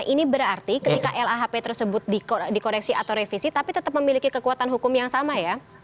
ini berarti ketika lahp tersebut dikoreksi atau revisi tapi tetap memiliki kekuatan hukum yang sama ya